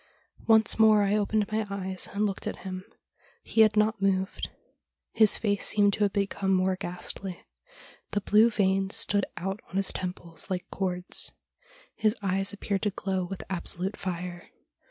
Once more I opened my eyes and looked at him. He had not moved. His face seemed to have become more ghastly. The blue veins stood out on his temples like cords. His eyes appeared to glow with absolute fire.